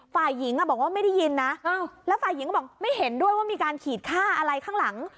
ฝ่ายหญิงบอกว่าไม่ได้ยินนะแล้วฝ่ายหญิงก็บอกไม่เห็นด้วยว่ามีการขีดค่าอะไรข้างหลัง